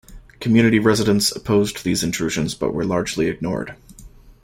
Community residents opposed these intrusions but were largely ignored.